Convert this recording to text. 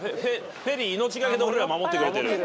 フェディ命懸けで俺ら守ってくれてる。